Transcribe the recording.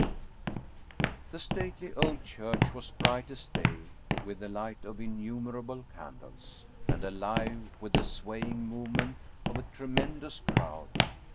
The stately old church was bright as day with the light of innumerable candles, and alive with the swaying movement of a tremendous crowd.